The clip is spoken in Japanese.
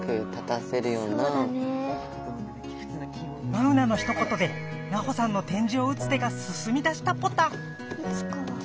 マウナのひと言でナホさんの点字を打つ手がすすみだしたポタ！